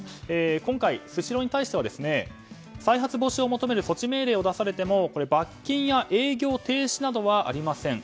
今回、スシローに対しては再発防止を求める措置命令を出されても罰金や営業停止などはありません。